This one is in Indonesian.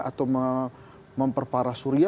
atau memperparah syria